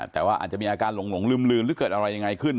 แต่ว่าอาจจะมีอาการหลงลืมหรือเกิดอะไรยังไงขึ้น